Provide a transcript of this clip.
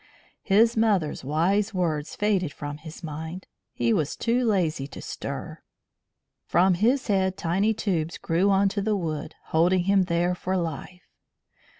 His mother's wise words faded from his mind. He was too lazy to stir. From his head tiny tubes grew on to the wood, holding him there for life.